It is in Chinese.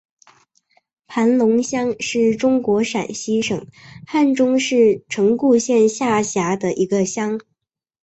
盘龙乡是中国陕西省汉中市城固县下辖的一个乡。